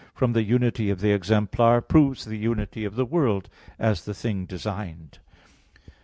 from the unity of the exemplar, proves the unity of the world, as the thing designed.